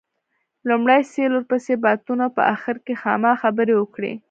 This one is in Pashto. لومړی سېبل ورپسې باتون او په اخر کې خاما خبرې وکړې.